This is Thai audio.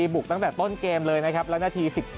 บุกตั้งแต่ต้นเกมเลยนะครับและนาที๑๗